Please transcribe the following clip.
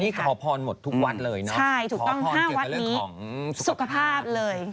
นี่ขอพรหมดทุกวัดเลยเนอะขอพรเกี่ยวกับเรื่องของสุขภาพใช่ถูกต้อง๕วัดนี้สุขภาพเลย